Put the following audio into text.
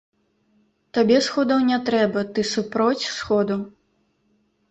Табе сходаў не трэба, ты супроць сходу?